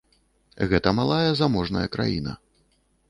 Гэта малая заможная краіна.